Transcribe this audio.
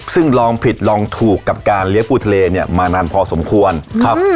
ซึ่งลองผิดลองถูกกับการเลี้ยงปูทะเลเนี่ยมานานพอสมควรครับ